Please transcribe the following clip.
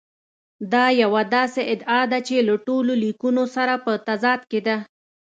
دا یوه داسې ادعا ده چې له ټولو لیکونو سره په تضاد کې ده.